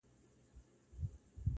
• دي ښاد سي د ځواني دي خاوري نه سي.